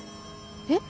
えっ？